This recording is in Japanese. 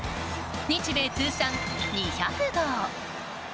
日米通算２００号。